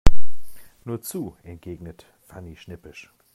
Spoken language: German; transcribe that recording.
Nur zu, entgegnet Fanny schnippisch.